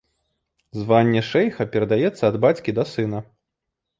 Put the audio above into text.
Званне шэйха перадаецца ад бацькі да сына.